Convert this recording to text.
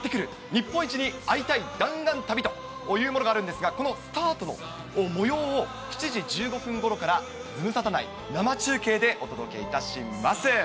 日本一に会いたい弾丸旅というものがあるんですが、このスタートのもようを、７時１５分ごろからズムサタ内、生中継でお届けいたします。